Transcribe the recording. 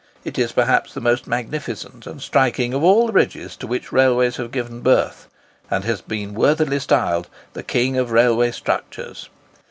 It is perhaps the most magnificent and striking of all the bridges to which railways have given birth, and has been worthily styled "the King of railway structures."